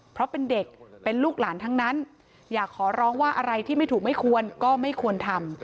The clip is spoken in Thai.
เพราะเป็นเด็กเป็นลูกหลานทั้งนั้นอยากขอร้องว่าอะไรที่ไม่ถูกไม่ควรก็ไม่ควรทำ